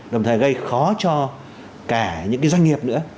đồng thời gây khó cho cả những doanh nghiệp nữa